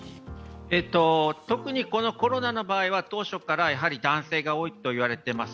特にこのコロナの場合は当初から男性が多いといわれています。